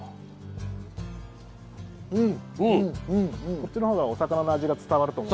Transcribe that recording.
こっちのほうがお魚の味が伝わると思う。